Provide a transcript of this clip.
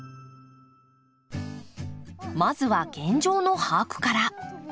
まずは現状の把握から。